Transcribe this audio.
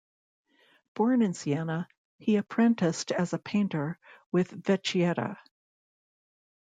Born in Siena, he apprenticed as a painter with Vecchietta.